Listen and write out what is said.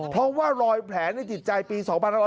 เพราะว่ารอยแผลในจิตใจปี๒๕๖๐